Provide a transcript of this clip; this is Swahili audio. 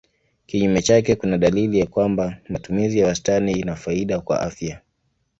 Kinyume chake kuna dalili ya kwamba matumizi ya wastani ina faida kwa afya.